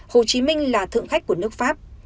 hồ chí minh là thượng khách của nước pháp